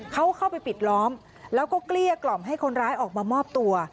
เขาเข้าไปปิดล้อมแล้วก็เกลี้ยกล่อมให้คนร้ายออกมามอบตัว